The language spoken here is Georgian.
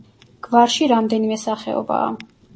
გვარში რამდენიმე სახეობაა.